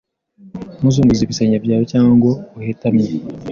Ntuzunguze ibisenge byawe cyangwa ngo uhetamye